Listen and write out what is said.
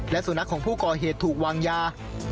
และสุนัขของผู้ก่อเหตุถูกวางยา